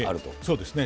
そうですね。